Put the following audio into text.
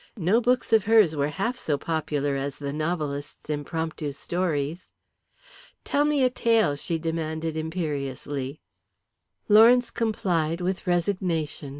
No books of hers were half so popular as the novelist's impromptu stories. "Tell me a tale," she demanded, imperiously. Lawrence complied with resignation.